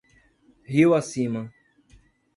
Rio Acima